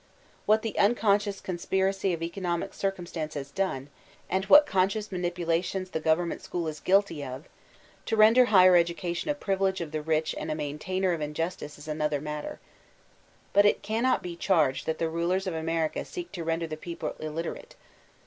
What the unconscious conspiracy of economic drcmnstance has done, and what conscious manipulations the Government school is guilty of, to render higher edo calkm a privilege of the rich and a maintainrr of injustic« 300 VOLTAISINE D& CLEHtB 18 another matter. Bat it cannot be charged that the mlers of America seek to render the peoide illiterate.